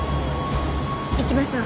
行きましょう。